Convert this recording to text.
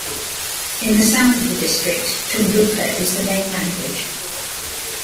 In the south of the district, Tumbuka is the main language.